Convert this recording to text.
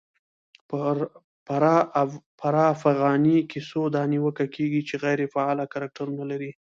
پرا فغانۍ کیسو دا نیوکه کېږي، چي غیري فعاله کرکټرونه لري.